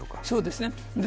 そうですね。